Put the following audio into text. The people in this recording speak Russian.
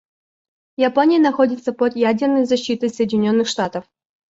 Япония находится под ядерной защитой Соединенных Штатов.